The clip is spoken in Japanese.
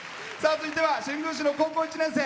続いては新宮市の高校１年生。